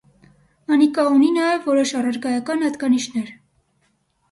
Անիկա ունի նաեւ որոշ առարկայական յատկանիշներ։